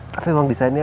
tapi emang desainnya